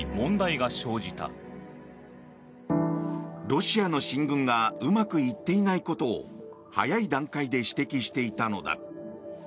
ロシアの進軍がうまくいっていないことを早い段階で指摘していたのだ。